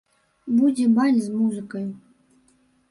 Будзе баль з музыкаю.